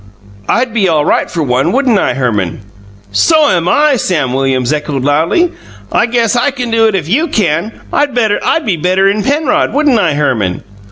I'D be all right for one, wouldn't I, Herman?" "So am I!" Sam Williams echoed loudly. "I guess I can do it if YOU can. I'd be better'n Penrod, wouldn't I, Herman?"